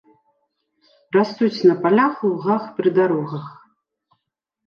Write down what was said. Растуць на палях, лугах, пры дарогах.